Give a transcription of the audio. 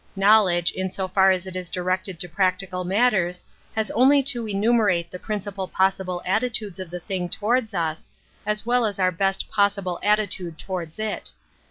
Knowledge, in so far as it is directed to practical matters, has only to enumerate the principal possible attitudes of the thing towards us, as well as our best possible attitude towards it.